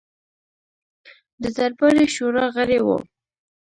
د درباري شورا غړی وو.